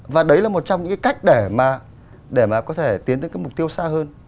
và đấy là một trong những cái cách để mà để mà có thể tiến tới cái mục tiêu xa hơn